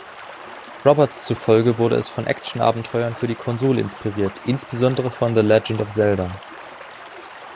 Roberts zufolge wurde es von Action-Abenteuern für die Konsole inspiriert, insbesondere von „The Legend of Zelda“.